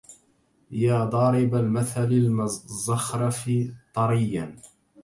يا ضارب المثل المزخرف مطريا